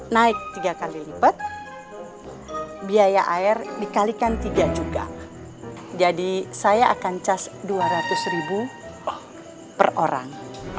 naik tiga kali lipat biaya air dikalikan tiga juta jadi saya akan cas dua ratus per orang